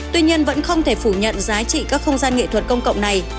tuy nhiên vẫn không thể phủ nhận giá trị các không gian nghệ thuật công cộng này